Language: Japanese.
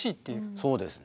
そうですね。